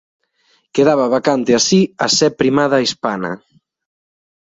Quedaba vacante así a sé primada hispana.